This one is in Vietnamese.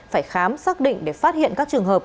phải khám xác định để phát hiện các trường hợp